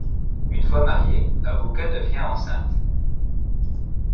Une fois mariée, Abouka devient enceinte.